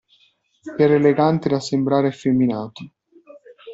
Era elegante da sembrare effeminato.